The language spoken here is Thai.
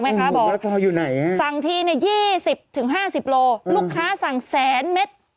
แม่ค้าบอกสั่งที๒๐๕๐โลกรูปค้าสั่งแสนเมตร